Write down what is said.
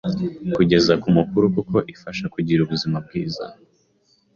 kugeza ku mukuru kuko ifasha kugira ubuzima bwiza.